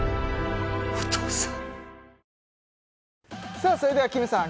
さあそれではきむさん